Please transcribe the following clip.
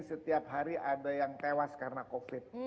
setiap hari ada yang tewas karena covid sembilan belas